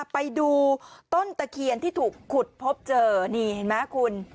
ไปดูต้นตะเคียนที่ถูกขุดพบเจอนี่เห็นไหมคุณ